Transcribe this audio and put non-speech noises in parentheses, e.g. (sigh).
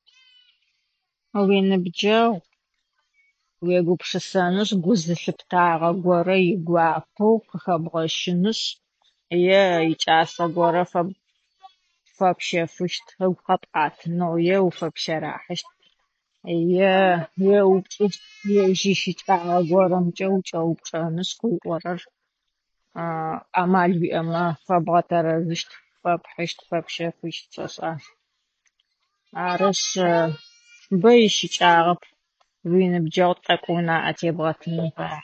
(noise) Уиныбджэгъу уегупшысэнышъ гузылъыптагъэ горэ игуапэу къыхэбгъэшынышъ е икӏасэ (noise) горэ фэп - фэпшэфыщт ыгу къэпӏатынэу, е фэпшэрахьыщт, е уепчӏыщт (noise) ежь ищыкӏагъэ горэмкӏэ чӏэупкӏэнышъ къыуиӏорэр (hesitation) амал уиӏэмэ фэбгъэтэрэзыщт, фэпхьыщт, фэпшэфыщт, сэшӏа. Арышъ (noise) (hesitation) бэ ищыкӏагъэп, уиныбджэгъу тэкӏу унаӏэ тэбгъэтын фай.